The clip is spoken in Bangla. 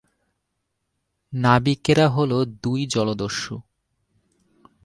নাবিকেরা হল দুই জলদস্যু।